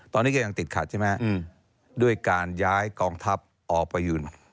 ตอนนี้ก็ยังติดขัดใช่ไหมด้วยการย้ายกองทัพออกไปยืน